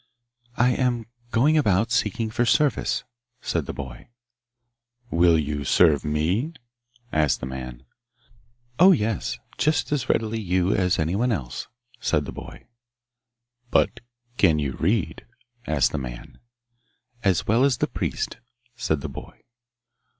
'I am going about seeking for service,' said the boy. 'Will you serve me?' asked the man. 'Oh, yes; just as readily you as anyone else,' said the boy. 'But can you read?' asked the man. 'As well as the priest,' said the boy.